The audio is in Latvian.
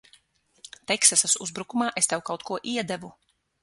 Teksasas uzbrukumā es tev kaut ko iedevu.